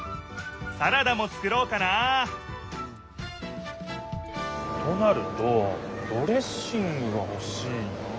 サラダも作ろうかなあとなるとドレッシングがほしいなあ。